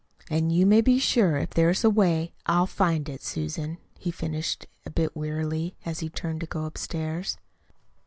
And you may be sure if there is a way I'll find it, Susan," he finished a bit wearily, as he turned to go upstairs.